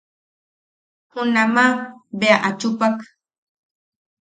Junama bea a chupak.